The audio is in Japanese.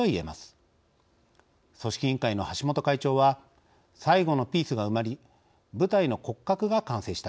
組織委員会の橋本会長は「最後のピースが埋まり舞台の骨格が完成した。